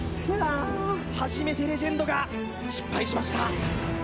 初めてレジェンドが失敗しました